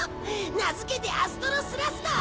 名付けてアストロスラスター！